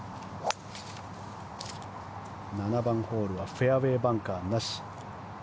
７番ホールはフェアウェーバンカーなし。